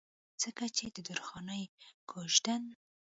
ځکه چې د درخانۍ کويژدن